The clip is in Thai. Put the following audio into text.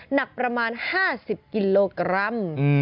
หนักประมาณ๕๐กิโลกรัม